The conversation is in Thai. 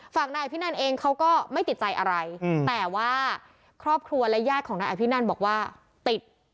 ฝั่งนายอภินันเองเขาก็ไม่ติดใจอะไรแต่ว่าครอบครัวและญาติของนายอภินันบอกว่าติด